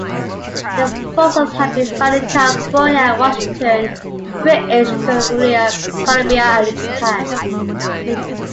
Their fossils have been found in California, Washington, British Columbia and Japan.